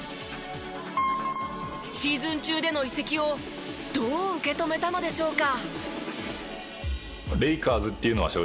シーズン中での移籍をどう受け止めたのでしょうか？